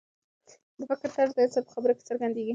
د فکر طرز د انسان په خبرو کې څرګندېږي.